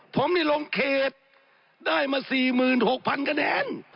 ผมนี่ลงเขตได้มา๔๖๐๐๐คะแนน